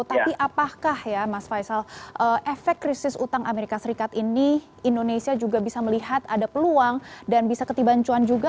tapi apakah ya mas faisal efek krisis utang amerika serikat ini indonesia juga bisa melihat ada peluang dan bisa ketiban cuan juga